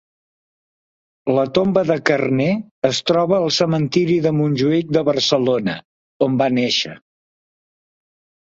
La tomba de Carner es troba al Cementiri de Montjuïc de Barcelona, on va néixer.